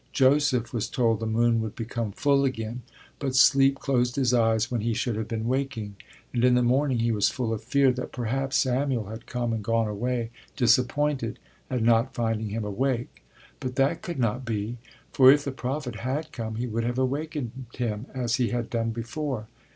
Joseph was told the moon would become full again, but sleep closed his eyes when he should have been waking, and in the morning he was full of fear that perhaps Samuel had come and gone away disappointed at not finding him awake. But that could not be, for if the prophet had come he would have awakened him as he had done before.